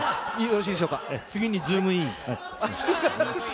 次にズームイン！！